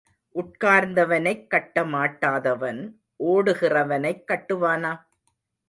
உட்கார்ந்தவனைக் கட்டமாட்டாதவன் ஓடுகிறவனைக் கட்டுவானா?